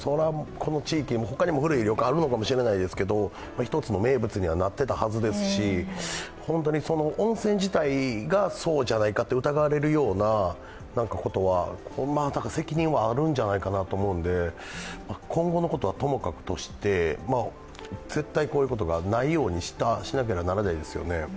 この地域、ほかにも古い旅館あるのかもしれないですけど、一つの名物にはなってたはずですし、温泉自体がそうじゃないかって疑われるようなことは責任はあるんじゃないかと思うので、今後のことはともかくとして、絶対こういうことがないようにしなきゃならないですよね。